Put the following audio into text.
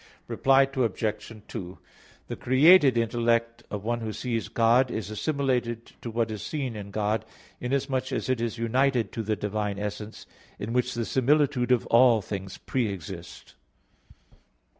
Reply Obj. 1: The created intellect of one who sees God is assimilated to what is seen in God, inasmuch as it is united to the Divine essence, in which the similitudes of all things pre exist.